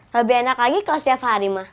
lebih enak lagi kalau setiap hari mah